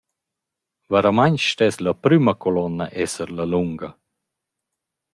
Vairamaing stess la prüma culuonna esser la lunga!